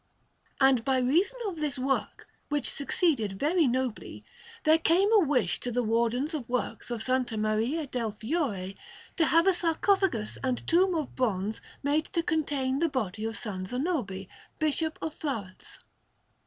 And by reason of this work, which succeeded very nobly, there came a wish to the Wardens of Works of S. Maria del Fiore to have a sarcophagus and tomb of bronze made to contain the body of S. Zanobi, Bishop of Florence.